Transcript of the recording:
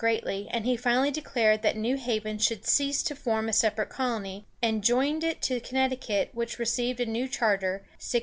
greatly; and he finally declared that New Haven should cease to form a separate colony, and joined it to Connecticut, which received a new charter (1662).